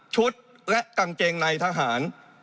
ชุดและกางเจงในทหาร